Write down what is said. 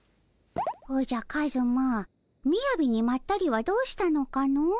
おじゃカズマみやびにまったりはどうしたのかの？